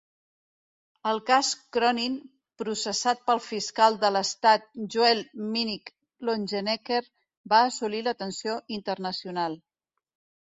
El cas Cronin, processat pel fiscal de l'estat Joel Minnick Longenecker va assolir l'atenció internacional.